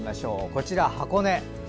こちら箱根。